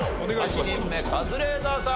８人目カズレーザーさん